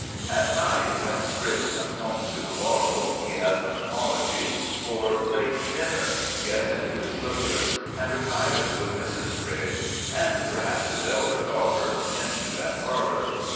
At night, when Spriggs comes home to The Laurels, he has an apology for late dinner, gets into his slippers, and retires with Mrs. Spriggs, and perhaps his elder daughter, into that parlour.